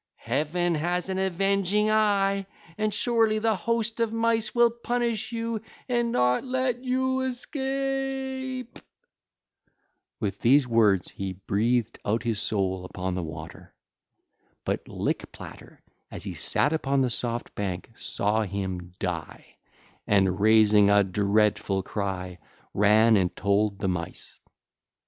Heaven has an avenging eye, and surely the host of Mice will punish you and not let you escape.' (ll. 99 109) With these words he breathed out his soul upon the water. But Lick platter as he sat upon the soft bank saw him die and, raising a dreadful cry, ran and told the Mice.